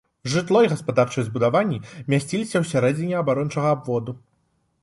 Жытло і гаспадарчыя збудаванні мясціліся ўсярэдзіне абарончага абводу.